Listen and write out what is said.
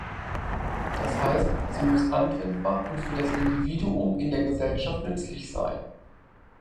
Das heißt, sie muss anwendbar und für das Individuum in der Gesellschaft nützlich sein.